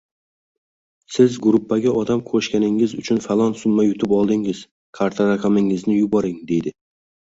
«Siz gruppaga odam qo‘shganingiz uchun falon summa yutib oldingiz, karta raqamingizni yuboring» deydi.